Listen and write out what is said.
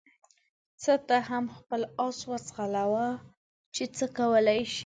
ځه ته هم خپل اس وځغلوه چې څه کولای شې.